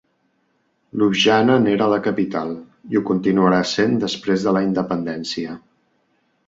Ljubljana n'era la capital, i ho continuà sent després de la independència.